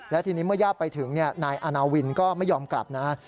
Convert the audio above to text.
และทีนี้เมื่อญาติไปถึงนายอาณาวินก็ไม่ยอมกลับนะ